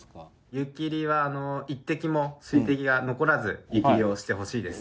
湯切りはあの１滴も水滴が残らず湯切りをしてほしいです。